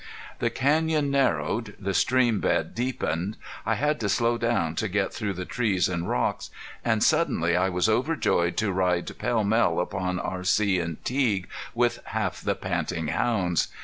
The canyon narrowed, the stream bed deepened. I had to slow down to get through the trees and rocks. And suddenly I was overjoyed to ride pell mell upon R.C. and Teague with half the panting hounds.